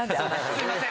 すいません。